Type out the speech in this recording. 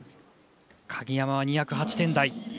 鍵山は２０８点台。